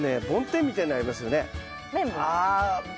梵天みたいのありますよね。